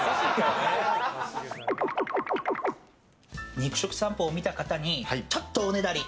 肉食さんぽを見た方にちょっとおねだり。